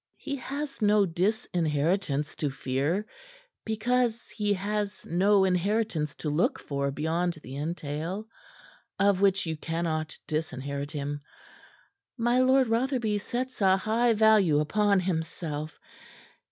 He has no disinheritance to fear because he has no inheritance to look for beyond the entail, of which you cannot disinherit him. My Lord Rotherby sets a high value upon himself.